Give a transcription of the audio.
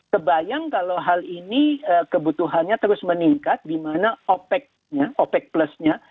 kebayang kalau hal ini kebutuhannya terus meningkat dimana opec plus nya